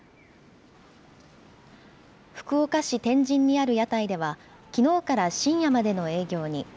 福岡市天神にある屋台では、きのうから深夜までの営業に。